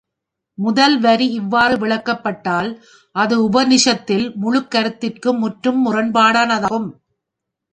முதல் வரி இவ்வாறு விளக்கப்பட்டால் அது உபநிஷத்தின் முழுக் கருத்திற்கும் முற்றும் முரண்பாடானதாகும்.